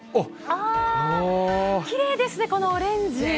きれいですね、このオレンジ。